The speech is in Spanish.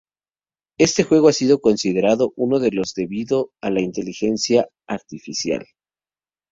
Este juego ha sido considerado uno de los debido a la inteligencia artificial.